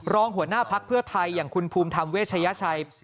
หัวหน้าพักเพื่อไทยอย่างคุณภูมิธรรมเวชยชัย